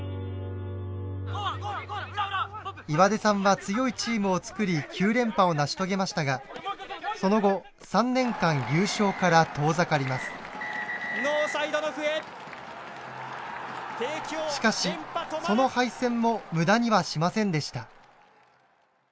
岩出さんは強いチームを作り９連覇を成し遂げましたがその後しかしその敗戦も無駄にはしませんでした。